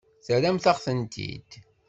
Terramt-aɣ-tent-id.